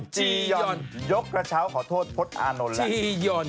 จียอนยกกระเช้าขอโทษพลดอานนท์แหละ